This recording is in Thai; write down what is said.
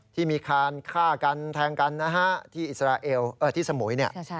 ที่มีค้านฆ่ากันแทงกันที่สมุย